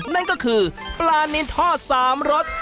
นั่นก็คือปลานินทอด๓รส